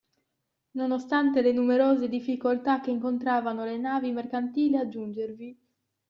Nonostante le numerose difficoltà che incontravano le navi mercantili a giungervi.